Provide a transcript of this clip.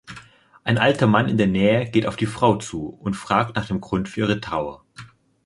Ein alter Mann in der Nähe geht auf die Frau zu und fragt nach dem Grund für ihre Trauer.